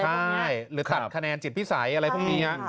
ใช่หรือตัดคะแนนจิตพิสัยอะไรพวกนี้